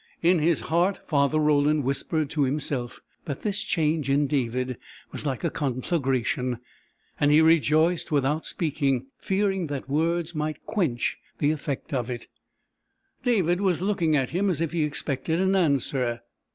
In his heart Father Roland whispered to himself that this change in David was like a conflagration, and he rejoiced without speaking, fearing that words might quench the effect of it. David was looking at him as if he expected an answer.